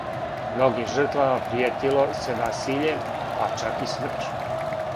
Многим жртвама пријетило се насиљем, па чак и смрћу.